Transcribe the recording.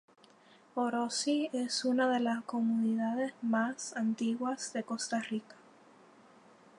Orosi es una de las comunidades más antiguas de Costa Rica.